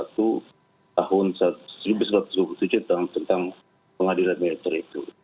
tahun seribu sembilan ratus dua puluh tujuh tentang pengadilan militer itu